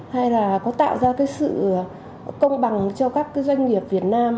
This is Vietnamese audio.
hay là có tạo ra cái sự công bằng cho các doanh nghiệp việt nam